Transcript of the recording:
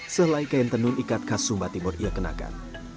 selai kain tenun ikat khas sumba timur ia kenakan